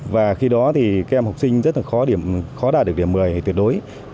và khi đó thì các em học sinh rất là khó đạt được điểm một mươi tuyệt đối